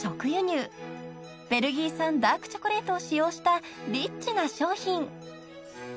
［ベルギー産ダークチョコレートを使用したリッチな商品］